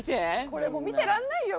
これ見てらんないよ